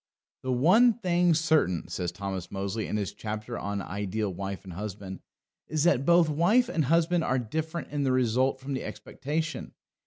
"The one thing certain," says Thomas Mozley in his chapter on Ideal Wife and Husband, "is that both wife and husband are different in the result from the expectation.